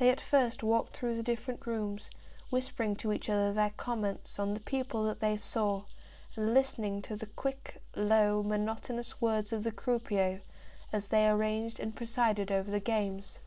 They at first walked through the different rooms, whispering to each other their comments on the people that they saw, and listening to the quick, low, monotonous words of the croupiers as they arranged and presided over the games.